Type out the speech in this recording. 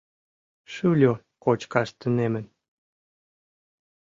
Шӱльӧ кочкаш тунемын.